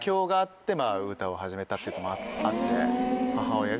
っていうのもあって。